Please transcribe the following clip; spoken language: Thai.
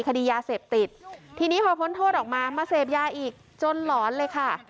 คดียาเสพติดทีนี้พอพ้นโทษออกมามาเสพยาอีกจนหลอนเลยค่ะ